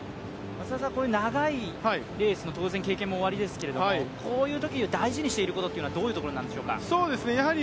長いレースの経験もおありですけどこういうときに大事にしていることは何なんでしょうか。